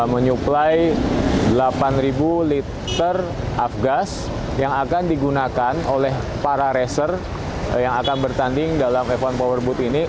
menyuplai delapan liter afgas yang akan digunakan oleh para racer yang akan bertanding dalam f satu powerboat ini